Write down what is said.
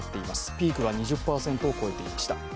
ピークは２０％を超えていました。